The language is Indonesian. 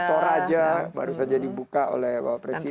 toraja baru saja dibuka oleh bapak presiden